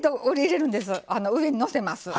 上にのせます。